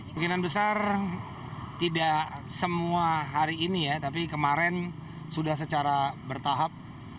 mungkinan besar tidak semua hari ini ya tapi kemarin sudah secara bertahap